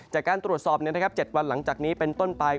จากการตรวจสอบ๗วันหลังจากนี้เป็นต้นไป